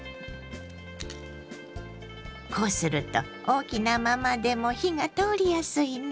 こうすると大きなままでも火が通りやすいの。